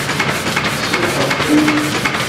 Tesṛuḥeḍ-ten?